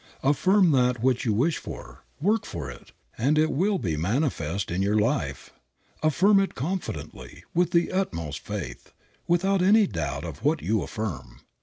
"Affirm that which you wish, work for it, and it will be manifest in your life." Affirm it confidently, with the utmost faith, without any doubt of what you affirm.